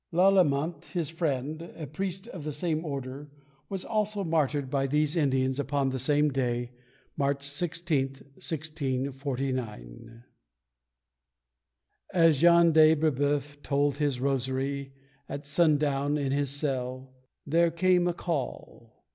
Lalement, his friend, a priest of the same order, was also martyred by these Indians upon the same day, March 16th, 1649. As Jean de Breboeuf told his rosary At sundown in his cell, there came a call!